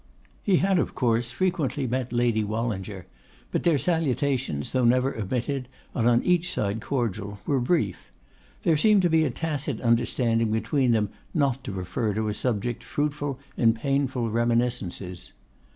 He had, of course, frequently met Lady Wallinger, but their salutations, though never omitted, and on each side cordial, were brief. There seemed to be a tacit understanding between them not to refer to a subject fruitful in painful reminiscences.